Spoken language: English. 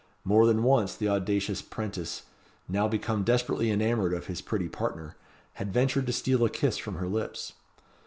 More than once the audacious 'prentice, now become desperately enamoured of his pretty partner, had ventured to steal a kiss from her lips.